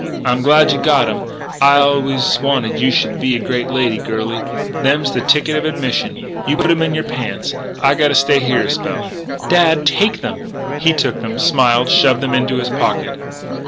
I'm glad you got 'em. I allus wanted you should be a great lady, girlie. Them's the tickets of admission. You put 'em in your pants. I gotta stay here a spell " "Dad! Take them!" He took them, smiled, shoved them into his pocket.